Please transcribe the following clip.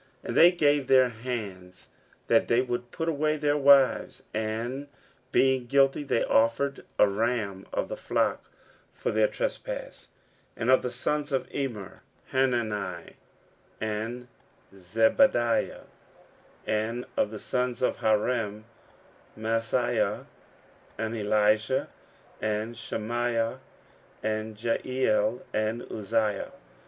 15:010:019 And they gave their hands that they would put away their wives; and being guilty, they offered a ram of the flock for their trespass. 15:010:020 And of the sons of Immer; Hanani, and Zebadiah. 15:010:021 And of the sons of Harim; Maaseiah, and Elijah, and Shemaiah, and Jehiel, and Uzziah.